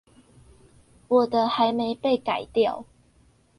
我的還沒被改掉